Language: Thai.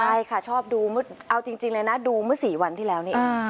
ใช่ค่ะชอบดูเอาจริงเลยนะดูเมื่อ๔วันที่แล้วนี่